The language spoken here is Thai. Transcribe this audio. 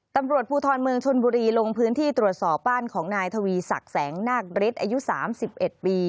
ตำรวจภูทรเมืองชนบุรีลงพื้นที่ตรวจสอบบ้านของนายทวีศักดิ์แสงนาคฤทธิ์อายุ๓๑ปี